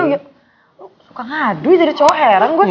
lo suka ngaduin jadi cowok heran gue